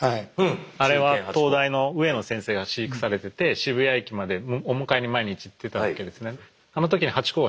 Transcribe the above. あれは東大の上野先生が飼育されてて渋谷駅までお迎えに毎日行ってたわけですね。